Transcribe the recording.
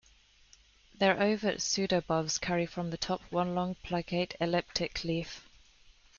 Their ovate pseudobulbs carry from the top one long, plicate, elliptic leaf.